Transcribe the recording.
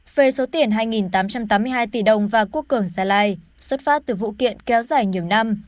về số tiền hai tám trăm tám mươi hai tỷ đồng và quốc cường gia lai xuất phát từ vụ kiện kéo dài nhiều năm